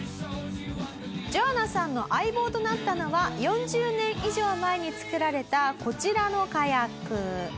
ジョアナさんの相棒となったのは４０年以上前に作られたこちらのカヤック。